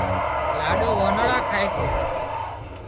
لاڏِو وانۯا کائي سي